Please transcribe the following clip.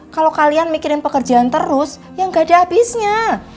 kalau kalian mikirin pekerjaan terus ya gak ada habisnya